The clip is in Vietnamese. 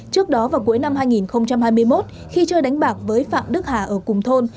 trước đó vào cuối năm hai nghìn hai mươi một khi chơi đánh bạc với phạm đức hà ở cùng thôn